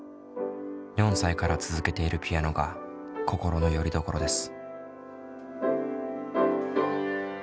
４歳から続けているピアノが心のよりどころです。